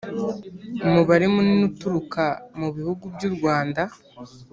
umubare munini uturuka mu bihugu by’u Rwanda